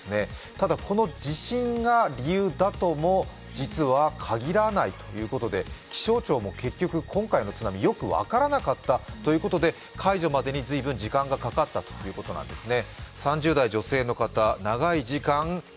ただ、この地震が理由だとも、実は限らないということで、気象庁も結局今回の津波、よく分からなかったということで解除までに随分時間がかかったということなんですね。